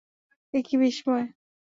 এ কী বিসময়!